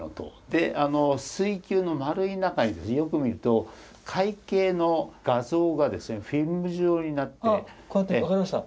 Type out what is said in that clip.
であの水球の丸い中にですねよく見ると「海景」の画像がですねフィルム状になって。